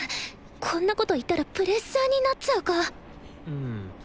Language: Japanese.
こんなこと言ったらプレッシャーになっちゃうかん